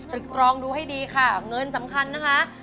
ตรองดูให้ดีค่ะเงินสำคัญนะคะ